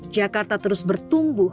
jakarta terus bertumbuh